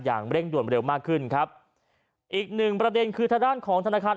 อย่างเร่งด่วนเร็วมากขึ้นครับอีกหนึ่งประเด็นคือทางด้านของธนาคาร